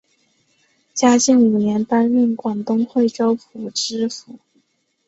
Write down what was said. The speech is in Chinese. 嘉靖五年担任广东惠州府知府。